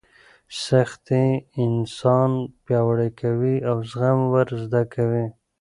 سختۍ انسان پیاوړی کوي او زغم ور زده کوي.